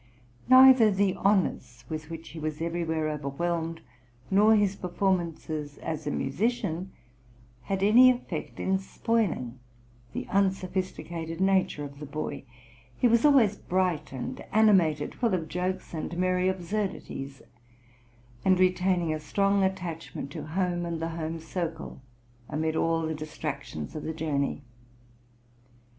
Neither the honours with which he was everywhere overwhelmed, nor his performances as a musician, had any effect in spoiling the unsophisticated nature of the boy; he was always bright and animated, full of jokes and merry absurdities, and retaining a strong attachment to home and the home circle amid all the distractions of the journey.